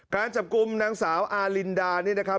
การจับกลุ่มนางสาวอารินดานี่นะครับ